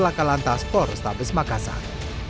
laka lantas polrestabes makassar